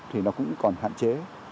thì nó cũng còn hạn chế